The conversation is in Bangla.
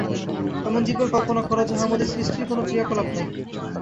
এমন জীবের কল্পনা কর, যাহার মধ্যে সৃষ্টির কোন ক্রিয়াকলাপ নাই।